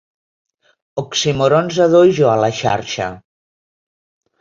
Oxímorons a dojo a la xarxa.